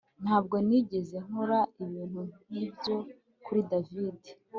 Ntabwo nigeze nkora ibintu nkibyo kuri David